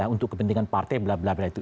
untuk kepentingan partai blablabla itu